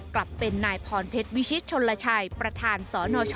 กลับที่เป็นนายพรเพชรวิชิชลาชัยประทานสช